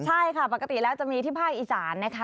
ใช่ค่ะปกติแล้วจะมีที่ภาคอีสานนะคะ